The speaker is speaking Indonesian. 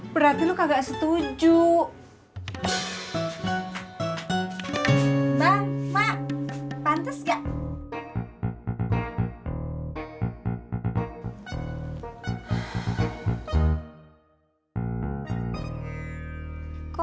berarti lu kagak setuju